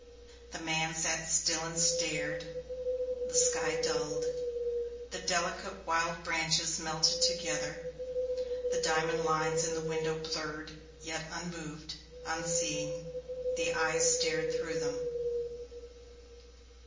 The man sat still and stared. The sky dulled; the delicate, wild branches melted together; the diamond lines in the window blurred; yet, unmoved, unseeing, the eyes stared through them.